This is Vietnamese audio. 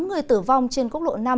tám người tử vong trên quốc lộ năm